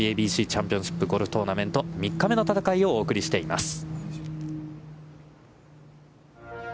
ＡＢＣチャンピオンシップゴルフトーナメント、３日目の戦いをお送りしています。